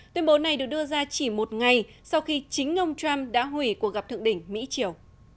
tuyên bố này được đưa ra chỉ một ngày sau khi chính ông trump đã hủy cuộc gặp thượng đỉnh mỹ triều